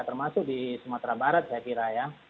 termasuk di sumatera barat saya kira ya